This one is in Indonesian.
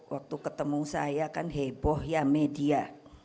waktu ketemu saya kan heboh ya media